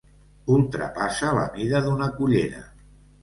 Ultrapassa la mida d'una cullera.